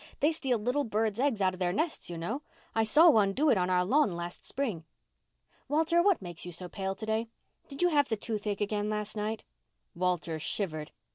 They steal little birds' eggs out of their nests, you know. I saw one do it on our lawn last spring. Walter, what makes you so pale to day? Did you have the toothache again last night?" Walter shivered.